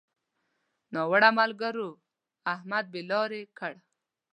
ناوړه ملګرو؛ احمد بې لارې کړ.